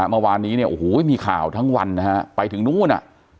เมื่อวานนี้เนี่ยโอ้โหมีข่าวทั้งวันนะฮะไปถึงนู้นอ่ะ